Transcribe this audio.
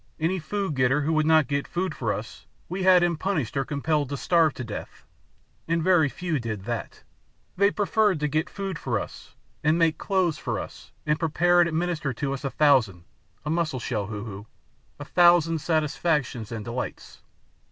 Any food getter who would not get food for us, him we punished or compelled to starve to death. And very few did that. They preferred to get food for us, and make clothes for us, and prepare and administer to us a thousand a mussel shell, Hoo Hoo a thousand satisfactions and delights.